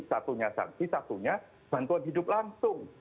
satunya sanksi satunya bantuan hidup langsung